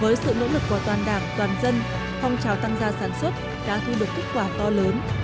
với sự nỗ lực của toàn đảng toàn dân phong trào tăng gia sản xuất đã thu được kết quả to lớn